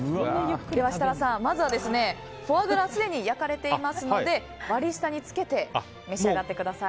では設楽さん、まずはフォアグラはすでに焼かれていますので割り下につけて召し上がってください。